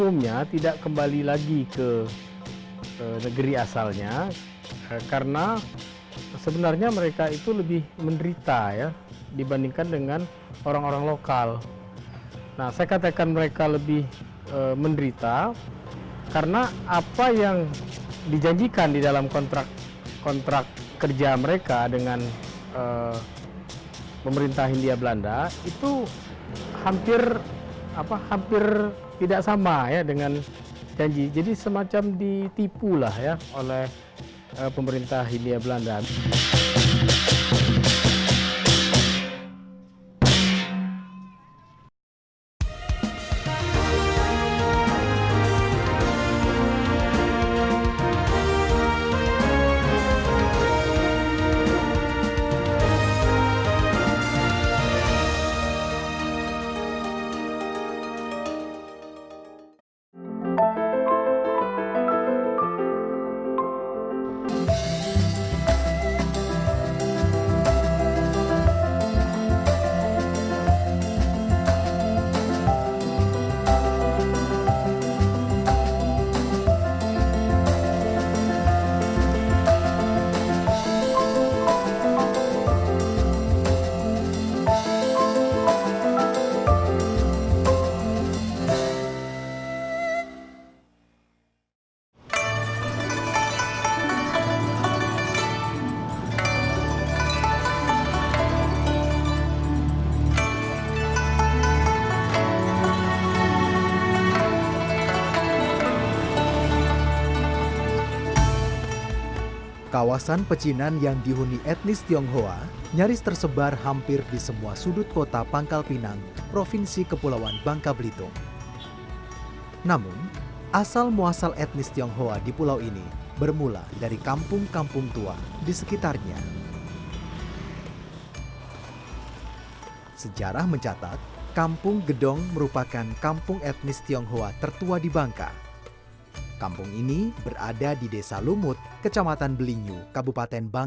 mereka umumnya tidak kembali lagi ke negeri asalnya